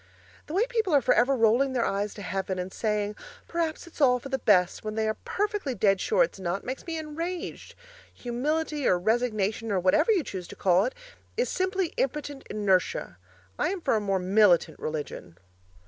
The way people are for ever rolling their eyes to heaven and saying, 'Perhaps it's all for the best,' when they are perfectly dead sure it's not, makes me enraged. Humility or resignation or whatever you choose to call it, is simply impotent inertia. I'm for a more militant religion!